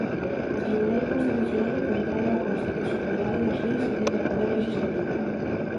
O Tribunal Constitucional controla a constitucionalidade das leis que dita o poder lexislativo.